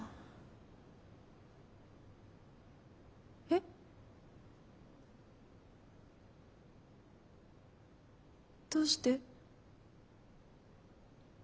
えっ？どうして？